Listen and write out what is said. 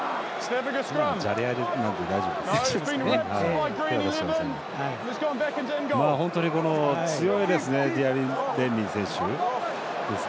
今のはじゃれあいなので大丈夫です。